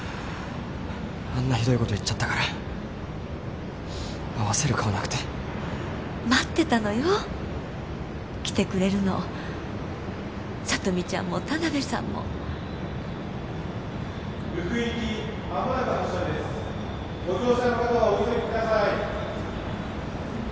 あんなひどいこと言っちゃったから合わせる顔なくて待ってたのよ来てくれるの聡美ちゃんも田辺さんも福井行き間もなく発車ですご乗車の方はお急ぎください